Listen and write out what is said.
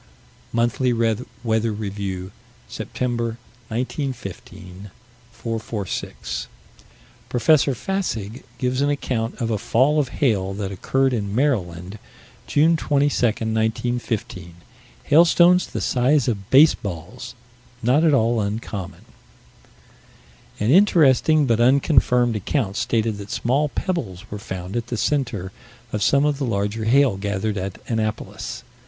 Monthly Weather Review, September, 1915 446: Prof. Fassig gives an account of a fall of hail that occurred in Maryland, June 22, 1915: hailstones the size of baseballs "not at all uncommon." "An interesting, but unconfirmed, account stated that small pebbles were found at the center of some of the larger hail gathered at Annapolis.